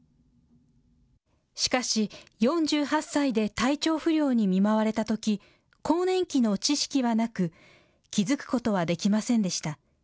しかし４８歳で体調不良に見舞われたとき更年期の知識はなく気付くことはできませんでした。